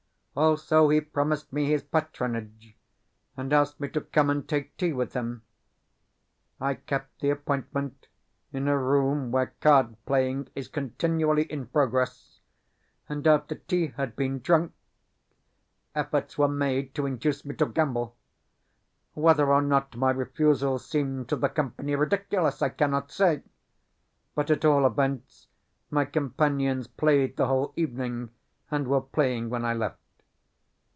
Also, he promised me his patronage, and asked me to come and take tea with him. I kept the appointment in a room where card playing is continually in progress; and, after tea had been drunk, efforts were made to induce me to gamble. Whether or not my refusal seemed to the company ridiculous I cannot say, but at all events my companions played the whole evening, and were playing when I left.